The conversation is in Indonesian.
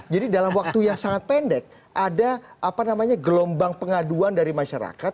jadi dalam waktu yang sangat pendek ada apa namanya gelombang pengaduan dari masyarakat